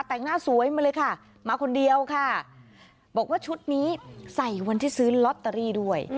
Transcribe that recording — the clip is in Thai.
แต่งหน้าสวยมาเลยค่ะมาคนเดียวค่ะบอกว่าชุดนี้ใส่วันที่ซื้อลอตเตอรี่ด้วย